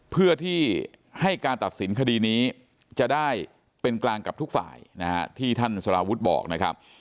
เพื่อที่ให้การตัดสินคดีนี้จะได้เป็นกลางกับทุกฝ่ายนะฮะที่ท่านสารวุฒิบอกนะครับ